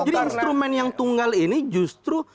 jadi instrumen yang tunggal ini justru